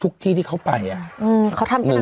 เกี่ยวที่เขาไป